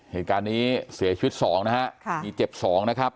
เหตุการณ์นี้เสียชีวิต๒นะครับ